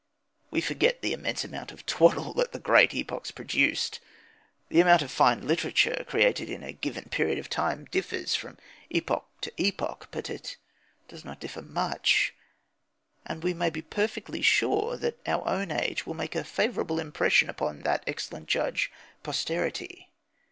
We forget the immense amount of twaddle that the great epochs produced. The total amount of fine literature created in a given period of time differs from epoch to epoch, but it does not differ much. And we may be perfectly sure that our own age will make a favourable impression upon that excellent judge, posterity.